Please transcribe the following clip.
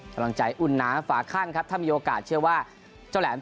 กำลังใจอุ่นหนาฝาข้างครับถ้ามีโอกาสเชื่อว่าเจ้าแหลม